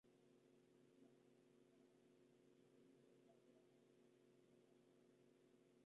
Elegante hasta la saciedad, era un verdadero amo y señor del área.